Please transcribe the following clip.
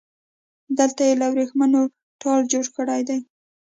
دلته يې له وريښمو ټال جوړ کړی دی